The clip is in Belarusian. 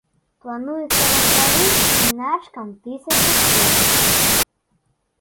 Плануецца раздарыць міначкам тысячу кветак.